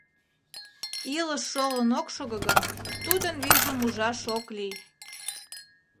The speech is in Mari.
Илыш шолын ок шого гын, тудын вийжым ужаш ок лий.